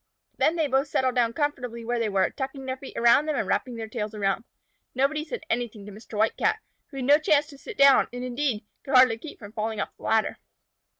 Then they both settled down comfortably where they were, tucking their feet under them and wrapping their tails around. Nobody said anything to Mr. White Cat, who had no chance to sit down, and, indeed, could hardly keep from falling off the ladder.